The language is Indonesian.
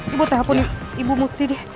ibu telfon ibu muti deh